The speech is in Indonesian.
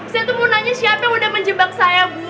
saya tuh mau nanya siapa yang udah menjebak saya bu